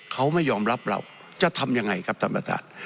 เขาไม่ยอมรับเราจะทำยังไงครับท่านประธาน